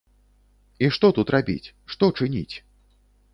І што тут рабіць, што чыніць?